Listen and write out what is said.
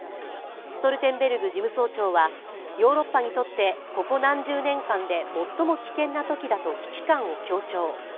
ストルテンベルグ事務総長はヨーロッパにとってここ何十年間で最も危険な時だと危機感を強調。